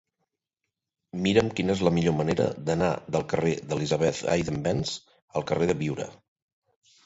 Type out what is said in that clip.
Mira'm quina és la millor manera d'anar del carrer d'Elisabeth Eidenbenz al carrer de Biure.